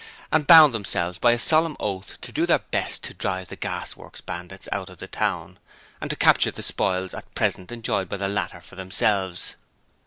and bound themselves by a solemn oath to do their best to drive the Gas Works Bandits out of the town and to capture the spoils at present enjoyed by the latter for themselves.